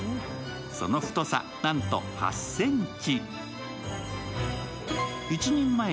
その太さ、なんと８ｃｍ。